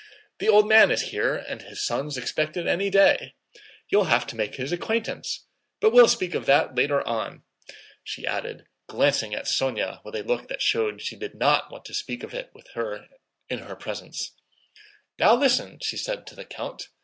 "The old man is here and his son's expected any day. You'll have to make his acquaintance. But we'll speak of that later on," she added, glancing at Sónya with a look that showed she did not want to speak of it in her presence. "Now listen," she said to the count.